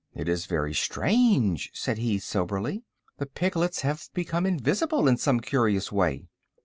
"It is very strange," said he, soberly. "The piglets have become invisible, in some curious way."